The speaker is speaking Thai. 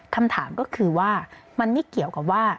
คำถามก็คือว่ามันไม่เกี่ยวกับว่า